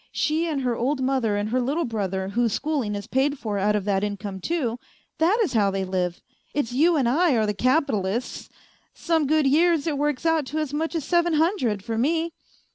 She and her old mother and her little brother, whose schooling is paid for out of that income too that is how they live ! It's you and I are the capitalists ! Some good years it works out to as much as seven hundred for me."